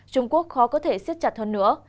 trung quốc khó có thể siết chặt hơn nữa